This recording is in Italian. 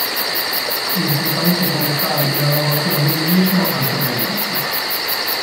Lo sfruttamento forestale e la lavorazione del legno sono anche presenti.